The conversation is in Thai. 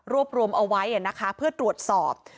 รวมเอาไว้นะคะเพื่อตรวจสอบ